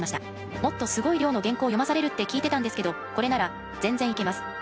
もっとすごい量の原稿を読まされるって聞いてたんですけどこれなら全然いけます。